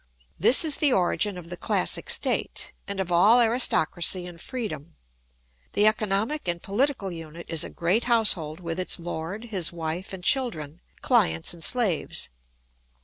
This is the origin of the classic state, and of all aristocracy and freedom. The economic and political unit is a great household with its lord, his wife and children, clients and slaves.